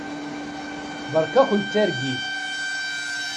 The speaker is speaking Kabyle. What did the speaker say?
Beṛka-kent targit.